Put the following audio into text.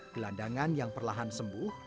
gelandangan yang perlahan sembuh